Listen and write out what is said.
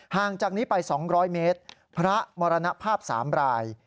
ห่างจากนี้ไป๒๐๐เมตรพระมรณภาพ๓ราย